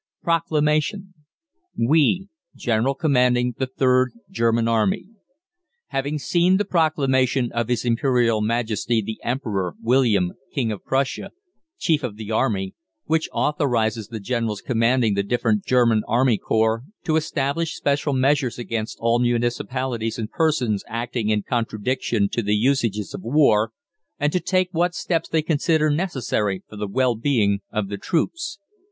PROCLAMATION. WE, GENERAL COMMANDING THE 3rd GERMAN ARMY, HAVING SEEN the proclamation of His Imperial Majesty the Emperor William, King of Prussia, Chief of the Army, which authorises the generals commanding the different German Army Corps to establish special measures against all municipalities and persons acting in contradiction to the usages of war, and to take what steps they consider necessary for the well being of the troops.